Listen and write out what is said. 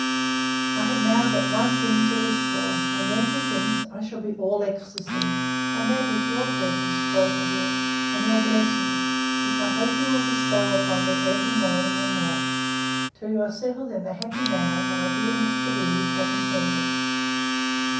I have now but one thing to wish for; and then, methinks, I shall be all ecstasy: and that is, your presence, both of you, and your blessings; which I hope you will bestow upon me every morning and night, till you are settled in the happy manner my dear Mr. B—— has intended.